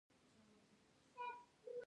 سرحدونه د افغانستان د پوهنې نصاب کې شامل دي.